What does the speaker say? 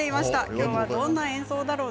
きょうはどんな演奏だろう